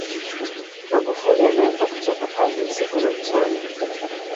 magufuli alianza kuchapa kazi usiku na mchana